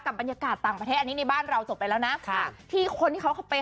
บรรยากาศต่างประเทศอันนี้ในบ้านเราจบไปแล้วนะค่ะที่คนที่เขาเข้าไป